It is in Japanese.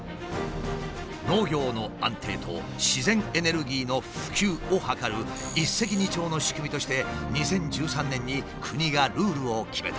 農業の安定と自然エネルギーの普及を図る一石二鳥の仕組みとして２０１３年に国がルールを決めた。